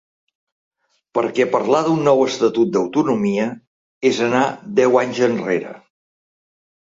Perquè parlar d’un nou estatut d’autonomia és anar deu anys enrere.